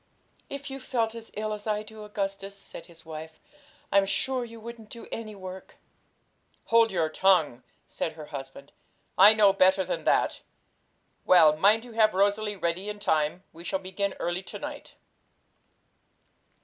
'If you felt as ill as I do, Augustus,' said his wife, 'I'm sure you wouldn't do any work.' 'Hold your tongue!' said her husband; 'I know better than that. Well, mind you have Rosalie ready in time; we shall begin early to night.'